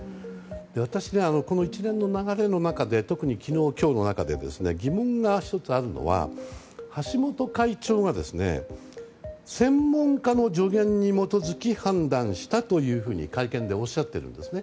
私、この一連の流れの中で特に昨日、今日の流れの中で疑問が１つあるのは橋本会長が専門家の助言に基づき判断したと会見でおっしゃっているんですね。